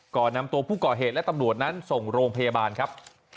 ก่อนนำตัวผู้ก่อเหตุและตำรวจนั้นส่งโรงพยาบาลครับ